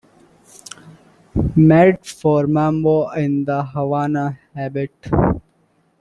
"Mad for Mambo," in "The Havana Habit".